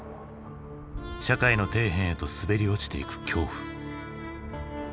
社会の底辺へと滑り落ちていく恐怖。